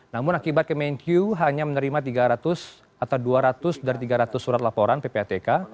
namun akibat kemenkyu hanya menerima tiga ratus atau dua ratus dari tiga ratus surat laporan ppatk